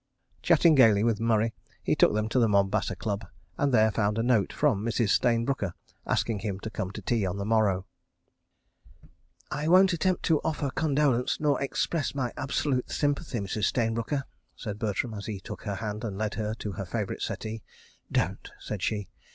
Chatting gaily with Murray, he took them to the Mombasa Club and there found a note from Mrs. Stayne Brooker asking him to come to tea on the morrow. "I won't attempt to offer condolence nor express my absolute sympathy, Mrs. Stayne Brooker," said Bertram as he took her hand and led her to her favourite settee. "Don't," said she.